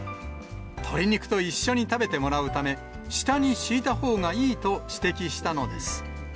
鶏肉と一緒に食べてもらうため、下に敷いたほうがいいと指摘したのです。